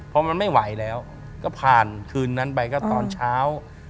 พอมันไม่ไหวแล้วก็ผ่านคืนนั้นไปก็ตอนเช้า